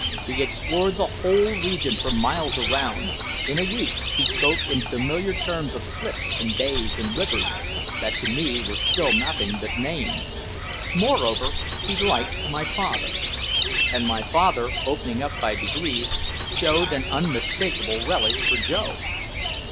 He explored the whole region for miles around, in a week he spoke in familiar terms of slips and bays and rivers that to me were still nothing but names. Moreover, he liked my father. And my father, opening up by degrees, showed an unmistakable relish for Joe.